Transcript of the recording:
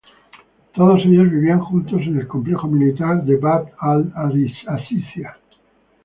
Todos ellos vivían juntos en el complejo militar de Bab al-Azizia.